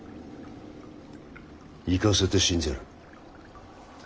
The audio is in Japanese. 行かせて進ぜる。